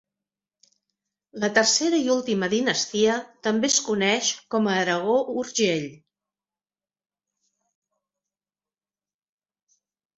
La tercera i última dinastia també es coneix com a Aragó-Urgell.